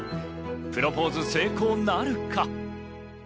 プロポーズ成功なるか？